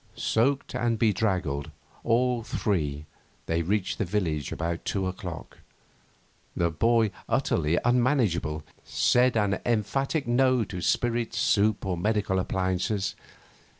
Soaked and bedraggled, all three, they reached the village about two o'clock. The boy, utterly unmanageable, said an emphatic No to spirits, soup, or medical appliances.